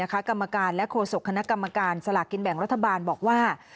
กรรมการและโฆษกคณะกรรมการสลากกินแบ่งรัฐบาลบอกว่า